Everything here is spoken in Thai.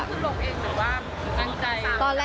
อันนี้คือลงเองหรือว่าตั้งใจ